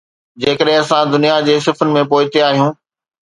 جيڪڏهن اسان دنيا جي صفن ۾ پوئتي آهيون.